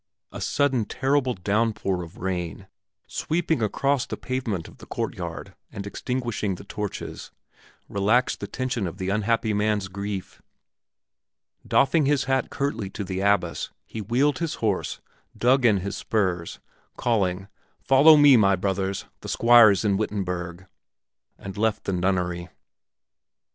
A sudden, terrible downpour of rain, sweeping across the pavement of the courtyard and extinguishing the torches, relaxed the tension of the unhappy man's grief; doffing his hat curtly to the abbess, he wheeled his horse, dug in his spurs, calling "Follow me, my brothers; the Squire is in Wittenberg," and left the nunnery.